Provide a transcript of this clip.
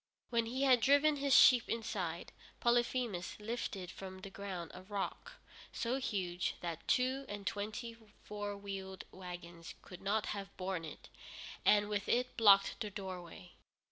When he had driven his sheep inside, Polyphemus lifted from the ground a rock so huge that two and twenty four wheeled wagons could not have borne it, and with it blocked the doorway.